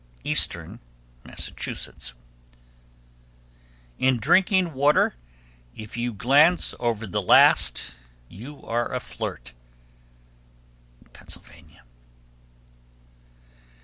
Eastern Massachusetts. 1334. In drinking water, if you glance over the glass, you are a flirt. _Pennsylvania.